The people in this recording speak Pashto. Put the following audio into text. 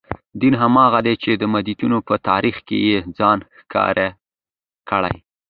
دین هماغه دی چې د متدینو په تاریخ کې یې ځان ښکاره کړی.